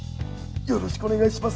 よろしくお願いします。